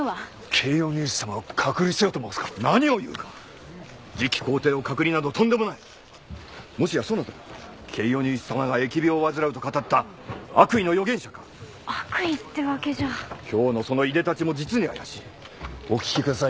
ケイオニウス様を隔離せよと申すか何を言うか次期皇帝を隔離などとんでもないもしやそなたがケイオニウス様が疫病を患うと語った悪意の予言者か悪意ってわけじゃ今日のそのいでたちも実に怪しいお聞きください